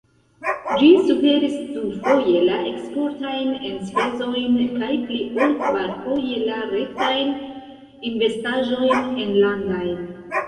Ĝi superis dufoje la eksportajn enspezojn kaj pli ol kvarfoje la rektajn investaĵojn enlandajn.